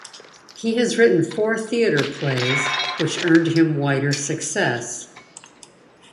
He has written four theatre plays, which earned him wider success.